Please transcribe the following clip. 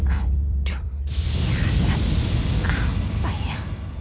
aduh sihat apa ya